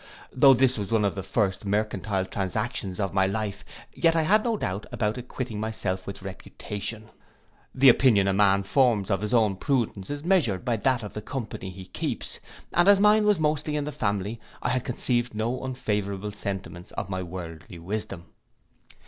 Though this was one of the first mercantile transactions of my life, yet I had no doubt about acquitting myself with reputation. The opinion a man forms of his own prudence is measured by that of the company he keeps, and as mine was mostly in the family way, I had conceived no unfavourable sentiments of my worldly wisdom.